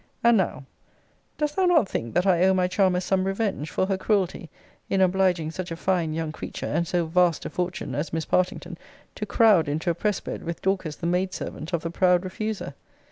And now, dost thou not think that I owe my charmer some revenge for her cruelty in obliging such a fine young creature, and so vast a fortune, as Miss Partington, to crowd into a press bed with Dorcas the maid servant of the proud refuser?